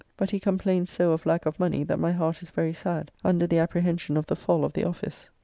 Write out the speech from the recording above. But he complains so of lack of money, that my heart is very sad, under the apprehension of the fall of the office.